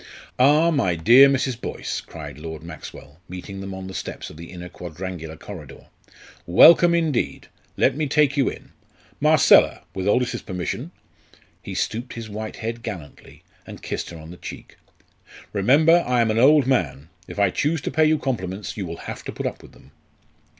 "Ah, my dear Mrs. Boyce," cried Lord Maxwell, meeting them on the steps of the inner quadrangular corridor "Welcome indeed! Let me take you in. Marcella! with Aldous's permission!" he stooped his white head gallantly and kissed her on the cheek "Remember I am an old man; if I choose to pay you compliments, you will have to put up with them!"